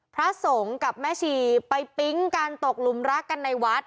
พระสงฆ์กับแม่ชีไปปิ๊งกันตกหลุมรักกันในวัด